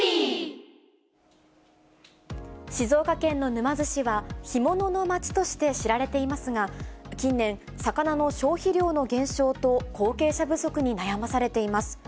静岡県の沼津市は、干物の街として知られていますが、近年、魚の消費量の減少と後継者不足に悩まされています。